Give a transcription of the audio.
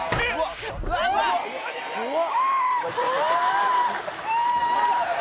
うわ！